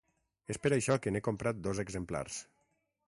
És per això que n'he comprat dos exemplars.